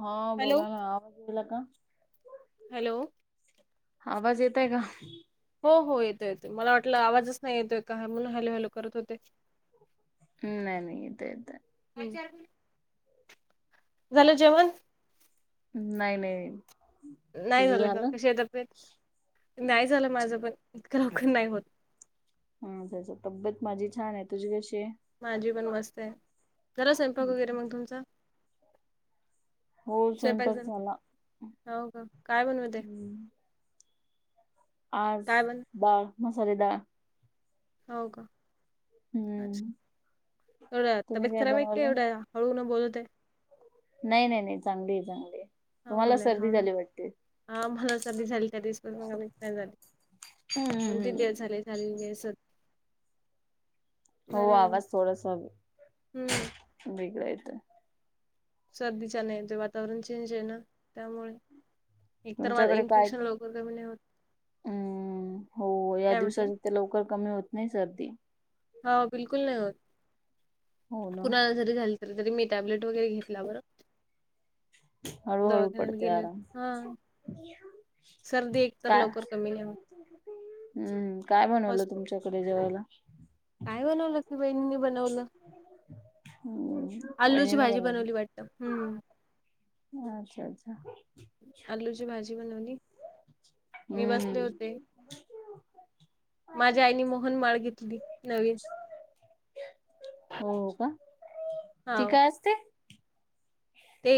हा हॅलो बोला ना [inaudible] वाज दिला का हॅलो आवाज येतय का हो हो येतो येते मला वाटलं आवाजच नाही येतोय का म्हणून हॅलू हॅलू करत होते ् नाही नाही इेत येत म्ह झालं जेवण नाही नाही नाही झालं का कश तपेत नाही झालं माझं पण इतकं लवकर नाही होत हा त्या तब्येत माझी छान आहे तुझी कशी माझी पण मस्त आहे घरा स्वयंपाक वगैरे हम्म. मग तुमचा हो स्वयपाक स्वयंपाक जण झाला हो का काय बनव ते हम्म आज बन डाळ मसाले डाळ हो का हम्म एवढ तुम्ही काय तबेतरा बे बनवलं? एवढ्या हळूून बोलत आहे नाही नाही नाही चांगली चांगली हो ब तुम्हाला सर्दी नाही झाली वाटते. मला साली झाली त्या स्कूल म भेट नाही झाली हम्म चालले स हो नाही झाली आवाज थोडास हम्म वेगळां येतं सर्दीचा नाही ते वातावरण चेंज आहे ना त्यामुळे एकतर तुमच्याकडे काय इन्फेक्शन लोक ग होत हम्म हो या काय म्हटले दिवसाच ते लवकर कमी होत नाही सर्दी हा बिलकुल नाही होत हो ना कुणा झा त तरी मी टॅबलेट वगैरे घेतला बर हळूहळू दवाखान पडते गेले आराम हा सर्दी एकत काय लवकर कमी घवी हम्म काय बनवलं तुमच्याकडे जेवायला काय बनवलं की बहिणीनी बनवलं हम्म आलूची वहिनीने भाजी बनवली बनवलं वाट हम्म अच्छा अच्छा आलूची भाजी बनवली मी हम्म बसले होते. माझ्या आईने मोहन माळ घेतली नवीन. हो का हा ती काय असते ते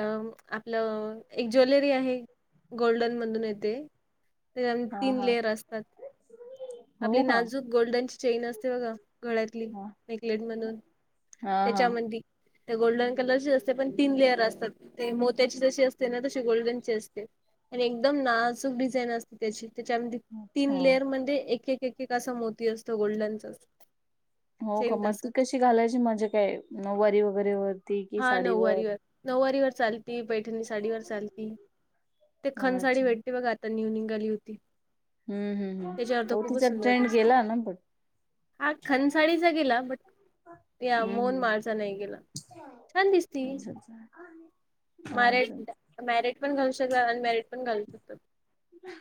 अ आपलं एक ज्वेलरी आहे गोल्डन मधून येते त्या हा तीन हा लेअर असतात. आपली हो का नाजूक गोल्डनची चेन असते बघा गळ्यातली हा नेकलेट मधून हा हा त्याच्यामध्ये गोल्डन कलरची अस पण तीन लेअर असतात ते मोत्याची जशी असते ना तशी गोल्डन चे असते. आणि एकदम नाजूक डिझाईन अस त्याची त्याच्यामध्ये तीन अच्छा लेअरमध्येध्ये एक एक एक असं मोती असतो गोल्डनच. हो का मग ती कशी घालायची माझ्या काय वारी वगैरे वर. हा नऊवारीवर नऊवारीवर चाल ती पैठणी साडीवरर चालती ते खण साडी अच्छा भेटते बघ आता नेहऊन निघाली होती. हम्म हम्म हम्म त्याच्यावर तर हो खूपच तिचा सुंदर ट्रेंड दिसती. गेला ना पण. हा खनसाळीचा गेला बट या मोहन हम्म माळचा नाही गेला. छान दिसती हम्म अच्छा अच्छा मारे अच्छा मॅरिड पण घालू शकता अनमॅरिड पण घालू शकतात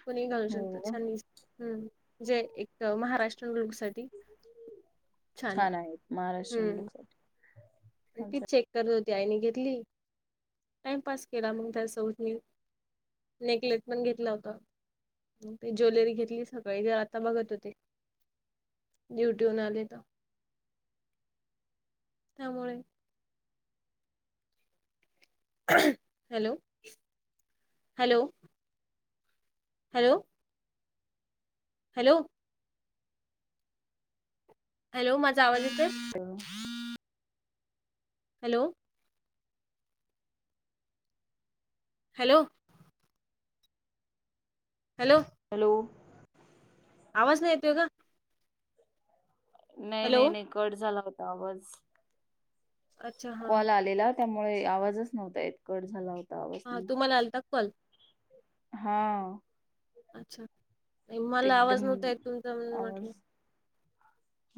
कुणीही घालू हो शकत का? छान दिस हम् जे एक महाराष्ट्र मुलक सा छान आहेत महाराष्ट्रीयन हम्म लोक. ती अच्छा चेक करत होती आईने घेतली टाइम पास केला मग त्या सोबत मी नेकलेस पण घेतला होता. ते ज्वेलरी घेतली सकाळी ते आता बघत होते. डिऊटी हुन आले तर. त्यामुळे hello hello. Hello. Hello. Hello माझा आवाज येतोय. [unintelligible] हॅलो. हॅलो. हॅलो. हॅलो. आवाज नाही येतोय का? नाही हॅलो नाही नाही कट झाला होता आवाज अच्छा हां कॉल आलेला त्यामुळे आवाजच नव्हता य कट झाला होत हा तुम्हाला आलता कॉल. हा. अच्छा ते मला आवाज एकदम नव्हता येत तुमचा म्हणून आवाज म्हटलं.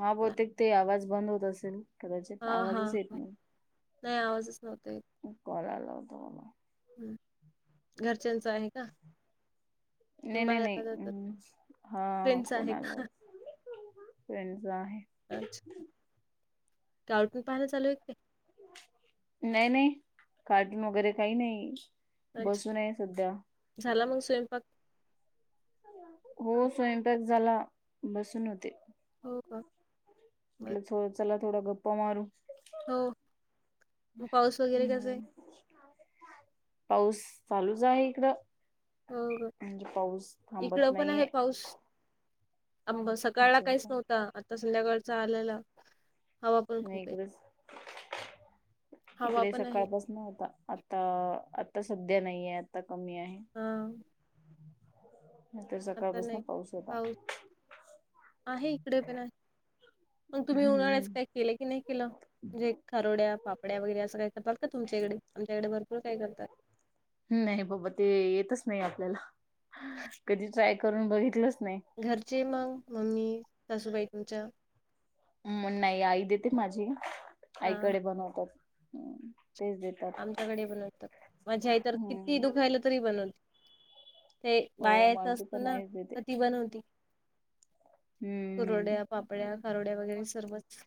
हा बहुतेक ते आवाज बंद होत असेल कदाचित हां हां आवाजच येत हां नाही. नाही आवाजच नव्हता येत. कॉल आला होता मला. हम्म घरच्यांच आहे का. नाही तुम्ही नाही बाहेर का जातात? नाही् हा फ्रेंडचा फोन आहे का? आलावर फ्रेंड चा. अच्छा का आवटून पाहायला चालू आहे का. नाही नाही कार्टून वगैरे काही नाही काय? अच्छा बसून आहे सध्या. झाला मग स्वयंपाक. हो स्वयंपाक झाला बसून होते. हो का. बरं म्हटलं चला थोड्या गप्पा मारू. हो पाऊस वगैरे कसा आहे. हम्म. पाऊस चालूच आहे इकडं. हो का म्हणजे पाऊस थांबत इकड पण आहे नाहीये पाऊस. अंब सकाळला अच्छा काहीच अच्छा नव्हता आता संध्याकाळचा आलेला. हवा पण नाही खूप आहे. इकडेच हवा इकडे पण आहे. सकाळपास न्हता आ. आ आता सध्या नाही आहे आता कमी आहे. हां नाहीतर आता नाही सकाळपासून होता पाऊस आहे इकडे पण आहे. मग तुम्ही उन्हाळ्याच काय हम्म के की नाही केलं म्हणजे खरोड्या पापड्या वगैरे सगळ्या. बघ का तुमच्याकडे आमच्याकडे भरपूर काय करतात. नाही बाबा ते येतच नाही आपल्याला कधी ट्राय करून बघितलंच नाही. घरचे मग मम्मी सासूबाई तुमच्या? मग नाही आई देते माझी हा आईकडे बनवतात तेच देते. आमच्याकडे बनवत माझ्या तर किती हम्म दुखायला तरी बनवते. ते हो बायाच माझी असतो पण ना आईच देते तर ती बनवती. कुरोड्या हम्म पापड्या कारोड्या वगैरे सर्वच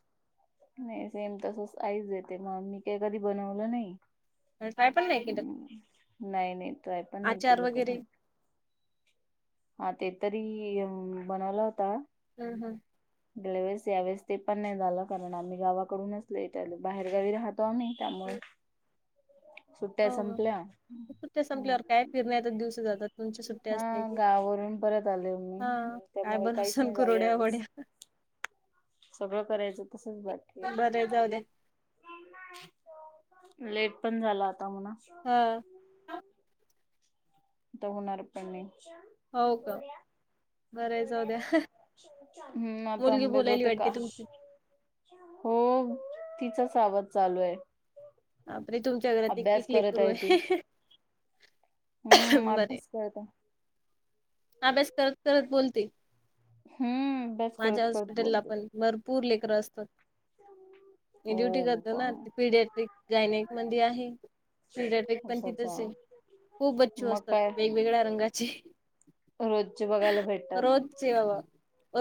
नाही सेम तसच आईच येते मग मी काही कधी बनवलं नाही. ट्राय पण नाही केलं. ह् नाही नाही ट्राय पण नाही आचार केलं वगैरे कधी हा ते तरी बनवला होता. हम् हम. गेल्या वेळेस यावेळेस ते पण नाही झालं कारण आम्ही गावाकडूनचल इटालू बाहेरगावी राहत. त्यामुळे सुट्ट्या हो का? संपल्या. सुट्ट्या संपल्यावर काय फिरण्यातच दिवस जातात. तुमच्या सुट्ट्या हा असले की गावावरून परत आले हा मी काय त्यामुळे बन काहीच नाही झालं कुरड्या यावेळेस वढ्या. [unintelligible] सगळं करायचं तसच बाकी बरं जाऊले. लेट पण झाला आता म्हणा. हां. तर होणार पण नाही. हो का? बरं आहे जाऊ द्या. हम् मुलगी आतांबे बोलायली बहते वाटते का? तुमची. हो तिचा सा आवाज चालू आहे. आपले तुमच्या घरात एके अभ्यास करत लेकरू ती आहे. हम्म बर अभ्यास करत आहे अभ्यास करत करत बोलते. हम्म बस करत माझ्या करत हॉस्पिटलला बोलते. पण भरपूर लेकर असतात. मी ड्युटी हो करतो ना पप्पा पीडयाट गायण्या म आहे. पीरक पण अच्छा अच्छा तिथंच आहे खूप बच्चू मग असतात काय वेगवेगळ्या रंगाचे रोजचे बघायला भेटतात. रोजचे बाबा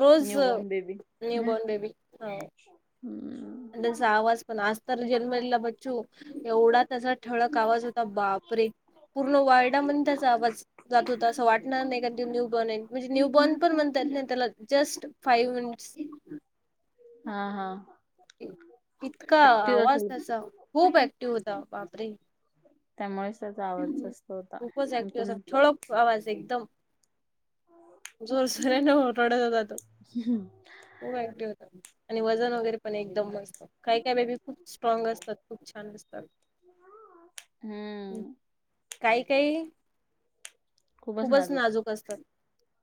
रोज न्यू बोर्न बेबी न्यू ना बॉर्न बेबी हो. हम्. आणि त्यांचा आवाज पण असतर जन्मला ब्चू एवढा तसा ठळक आवाज होता बापरे. पूर्ण वर्डामध्येण त्याचा आवाज जात होता असं वाटणार नाही का ते न्यू बनन. म्हणजे न्यू बॉर्न पण म्हणतात ना त्याला जस्ट फाईव्ह मिनिट्स हा हा. इतका ऍक्टिव्ह आवाज असेल त्याचा खूप ऍक्टिव्ह होता बापरे. त्यामुळेच त्याचा आवाज जास्त होता खूपच ऍक्टिव्ह तु. असा ठळक आवाज एकदम. जोर सर आहे रडत होात. खूप ऍक्टिव्ह होता आणि वजन वगैरे पण एकदम मस्त काही काय बेबी खूप स्ट्रॉंग असतात खूप छान असतात. हम्म. काही काही खूपच नाजूक असतात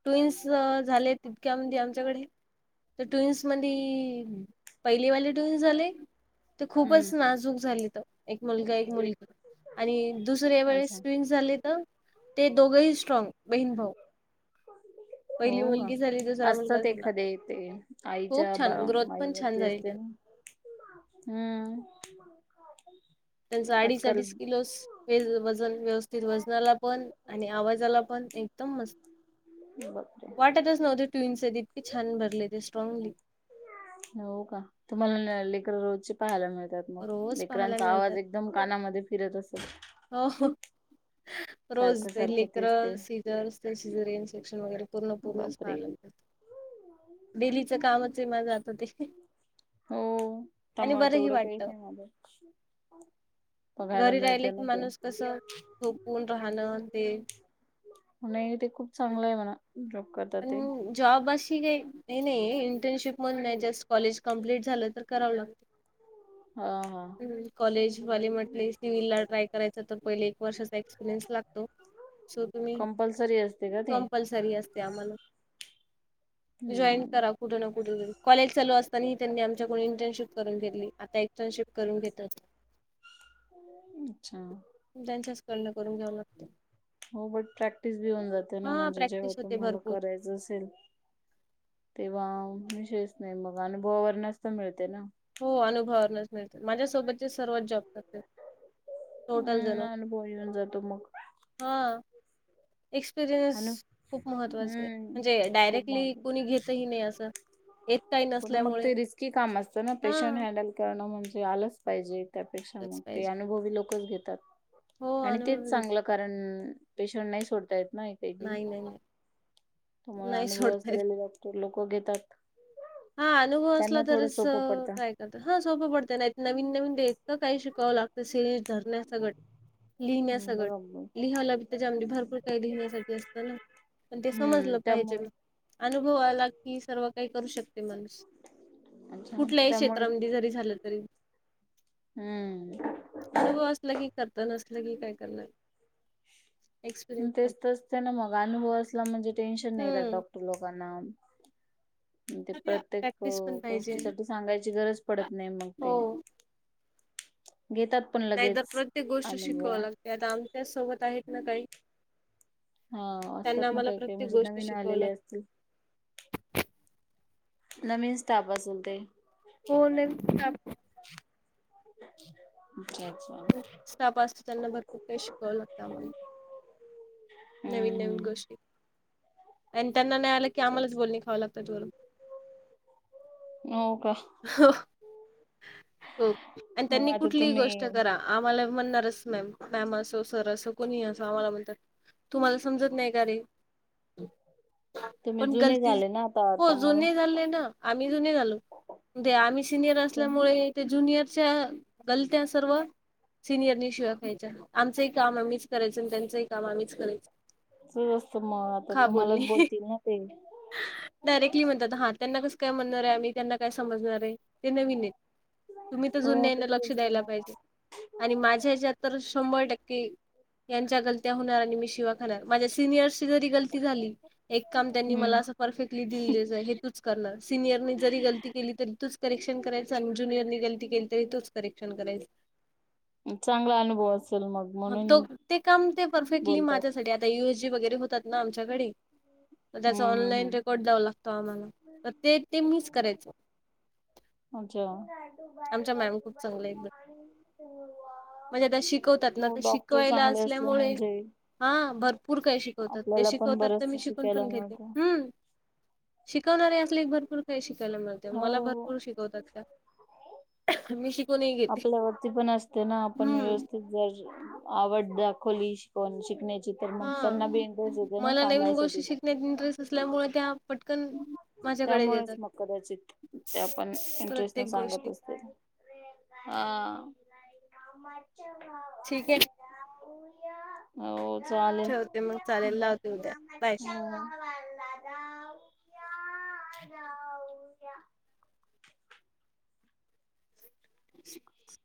टिव्वींन्स् झाले तितक्या म्हणजे आमच्याकडे तर ट्विन्स मधी पहिलेवाली ट्विन्स झाले ते खूपच हम्म नाजूक झाली तर एक मुलगा एक मुलगी ह [unintelligible] दुसर्‍या वेळेस ट्वींन्स झाले तर ते दोघंही स्ट्रॉग बहीण भाऊ हो पहिली का मुलगी झाली दुसरा मुलगा असतात झाला एखाद्ये ते खूप आईच्या बा छान ग्रोथ पण छान आईवरती झाली असते ना हम्म त्यांचं अडीच आजकाल अडीच किलोच वे वजन व्यवस्थित वजनाला पण आणि आवाजाला पण एकदम मस्त बापरे वाटतच नव्हते ते ट्विन्संयत इतके छान भरले ते स्ट्रॉंगली हो का तुम्हाला लेकर रोजची पाहायला मिळतात मग रोज पाहायला लेकरांचा आवाज मिळतात एक एकदम कानामध्ये फिरत असेल? हो रोज सारखं ते सारखं तेच लेकरं ते [unintelligible] दररोज ते सिझेरिंग सेंक्शन वगैरे पूर्ण पूर्णच बापरे पाहायला [unintelligible] डेलीचं कामचय माझं ते हो आणि त्यामुळे बरंही तेवढं काही वाटतं नाही वाटत घरी राहिले की माणूस कस झोपून राहणं ते नाही ते खूप चांगलय म्हणा जॉब करता ते पण जॉब अशी काही नाहीय इंटर्नशिप मण नाही जस्ट कॉलेज कम्प्लीट झालं तर करावं लागत. [inaudible] ह हा कॉलेजवाली म्हटले सिव्हिल ला ट्राय करायच तर पहिले एक वर्षाचा एक्सपिरियन्स लागतो. सो तुम्ही असे असते का ते? कंपल्सरी असते आम्हाला जाॅईन हम्म करा कुठं ना कुठ जरी कॉलेज चालू असताना त्यांनी आमच्याकडून इंटर्नशिप करून घेतली आता एटर्नशिप करून घेतायत अच्छा! त्यांच्याच कडंन करून घ्यावं लागतं. हो बट प्रॅक्टिस बी होऊन जाते ना हा म्हणजे जेव्हा प्रॅक्टिस होते तुम्हाला भरपूर करायचं असेल तेव्हा विषयच नाही मग अनुभवावरणंच मिळते ना हो अनुभवा वरनचं मिळते माझ्यासोबतचे सर्वच जॉब करतात टोटल जण हम् अनुभव येऊन जातो मग हा एक्सपिरियन्स अनु खूप महत्त्वाच आहे हम्म म्हणजे खूप डायरेक्टली महत्व कोणी घेतही नाही असं येत काही हो ना मग नसल्यामुळे ते रिस्की काम असतं ना पेशंट हा हँडल करणं म्हणजे आलंच पाहिजे त्यापेक्षा तेच मग ते पाहिजे अनुभवी लोकच घेतात हो आणि तेच अनुभव घेत चांगलं. कारण पेशंट नाही सोडता येत ना नाही नाही नाही [unintelligible] नाही अनुभव सोडतायेत असलेले डॉक्टर लोक घेतात. हा अनुभव असला त्यांना थोडं तरच सोपं पडतं. [unintelligible] हा सोपं पडत नाही नवीन नवीन ते इतक काही शिकावं लागतं सीरिंज धरण्या सगट लिहिण्या हम्म सगट बरोबर लिहावं लागतं त्याच्यामध्ये भरपूर काही लिहिण्यासाठी अस पण ते हम्म समजलं पाहिजे त्यामुळे अनुभवाला की सर्व काही करू शकत माणूस अच्छा कुठल्याही त्यामुळे क्षेत्रामध्ये जरी झालं तरी हम्म असलं की करतं नसलं की काय करणार? एक्सपिरियन्स तेच तर असते ना मग अनुभव असला म्हणजे टेन्शन नाही राहत हम्म डॉक्टर लोकांना ते प्रत्येक प्रॅक्टिस पण पाहिजे गोष्टीसाठी सांगायची गरज पडत नाही मग हो ते घेतात पण लगेच अनुभव आहे त्यात आमच्याच सोबत आहेत ना काही हा त्यांना असतात ना आम्हाला काही काही प्रत्येक म्हणजे गोष्ट नवीन शिकवाव आलेले लागते. असतील. नवीन स्टाप असल ते हो नविन स्टाप. [inaudible] अच्छा [inaudible] स्टाप असत त्यांना भरपूर काही शिकवाव लागत आम्हाला. नवीन हम्म नवीन हम्म. गोष्टी आणि त्यांना नाही आलं की आम्हालाच बोलणी खावं लागतात वरून हो का हो हो आणि हो त्यांनी आता कुठली गोष्ट तुम्ही करा आम्हाला म्हणारच मॅम असं सर असं कोणी असं आम्हाला म्हणतात तुम्हाला समजत नाही का रे तुम्ही पण जुने गलती झाले ना आता हो त्यामुळे जुने झाले ना आम्ही जुने झालो. ते आम्ही सिनियर तुमचंच असल्यामुळे ते ज्युनियरच्या गलत्या सर्व सिनियरनी शिवा ख्यायच्या आमचही कामहीच करायचं आणि त्यांचं हि काम आम्हीच करायच. असत मग आता तुम्हालाच बोलली बोलतील ना ते डायरेक्टली म्हणतात हा त्यांना कसं काय म्हणार आहे आम्ही त्यांना काय समजणार आहे. ते नवीन तुम्ही तर हो जुन्याना तेच लक्ष असत द्यायला मग पाहिजे. आणि माझ्याच्या्यात तर शंभर टक्के यांच्या गलत्या होणार आणि मी शिव्या खाणार माझ्या सिनियर्सची जरी गलती झाली एक काम त्यांनी मला अस हम्म परफेक्टली दिलेलं हे तूच करणार सिनियर जरी गलती केली तरी तूच करेक्शन करायचं आणि जुनियरनी गलती केली तरी तूच करेशन करायच चांगला अनुभव असेल मग तो म्हणून ते काम ते परफेक्टली बोलतात माझ्यासाठी आता युएस जी वगैरे होतात ना आमच्याकडे त्याचा हम्म हम्म ऑनलाईन हम्म रेकॉर्ड द्याव लागतो आम्हाला तर ते ते मिच करायचं. अच्छा. आमच्या मॅम खूप चांगल्या आहेत म्हणजे त्या शिकवतात ना हो डॉक्टर शिकवायला चांगले असले असल्यामुळे म्हणजे हा भरपूर काही शिकवतात ते आपल्याला पण शिकवतात तर मी बरचस शिकून शिकायला पण घेते मिळतं हम् शिकवणारे असले भरपूर काही शिकायला मिळते मला हो भरपूर शिकवतात त्या मी शिकूनही घेते आपल्यावरती पण असते ना आपण व्यव हम्म जर आवड दाखवली शिक शिकण्याची तर मग हा त्यांना बी इंटरेस्ट येते ना सांगायसाठी. नाही ड्रेस असल्यामुळे त्या पटकन माझ्याकडे त्यामुळेच येतात मग कदाचित त्या पण इंटरेस्ट न प्रत्येक सांगत गोष्टी असतील. हा. ठीक आहे [inaudible] हो चालेल ठेवते मग चालेल लावते उद्या बाय हा हा. [inaudible] [inaudible]